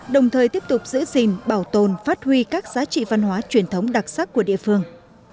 đồng thời tiếp tục giữ gìn bảo tồn phát huy các giá trị văn hóa truyền thống đặc sắc của địa phương